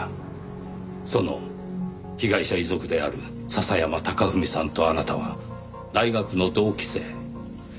その被害者遺族である笹山隆文さんとあなたは大学の同期生。